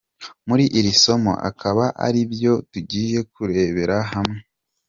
Muri iri somo akaba aribyo tugiye kurebera hamwe.